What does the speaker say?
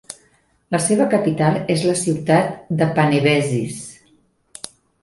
La seva capital és la ciutat de Panevėžys.